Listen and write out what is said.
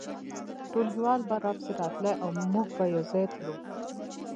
ټولګیوالې به راپسې راتلې او موږ به یو ځای تلو